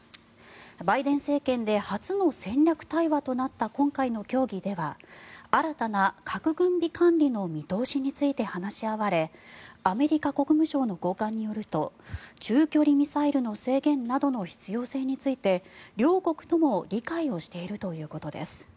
バイデン政権で初の戦略対話となった今回の協議では新たな核軍備管理の見通しについて話し合われアメリカ国務省の高官によると中距離ミサイルの制限などの必要性について両国とも理解をしているということです。